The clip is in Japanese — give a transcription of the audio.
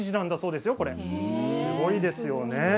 すごいですよね。